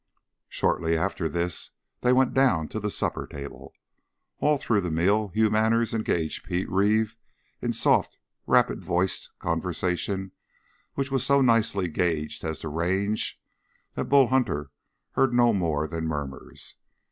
Shortly after this they went down to the supper table. All through the meal Hugh Manners engaged Pete Reeve in soft, rapid voiced conversation which was so nicely gauged as to range that Bull Hunter heard no more than murmurs.